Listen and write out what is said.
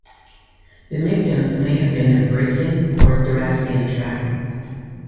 The Mygdones may have been a Brigian or Thracian tribe.